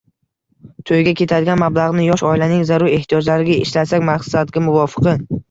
To‘yga ketadigan mablag‘ni yosh oilaning zarur ehtiyojlariga ishlatsak, maqsadga muvofiqi.